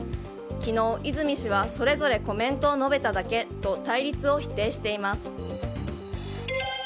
昨日、泉氏はそれぞれコメントを述べただけと対立を否定しています。